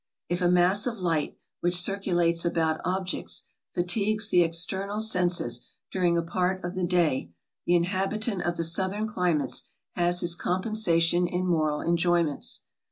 If a mass of light, which circulates about objects, fatigues the external senses during a part of the day, the inhabitant of the southern climates has his compen sation in moral enjoyments.